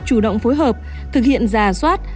chủ động phối hợp thực hiện giả soát